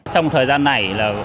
trong thời gian này